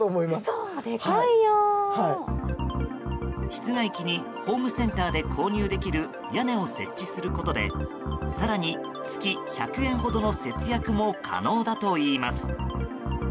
室外機に、ホームセンターで購入できる屋根を設置することで更に、月１００円ほどの節約も可能だといいます。